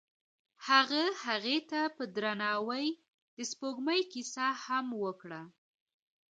هغه هغې ته په درناوي د سپوږمۍ کیسه هم وکړه.